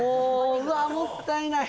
うわっもったいない。